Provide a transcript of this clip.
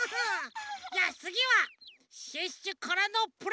じゃあつぎはシュッシュからのプレゼントです。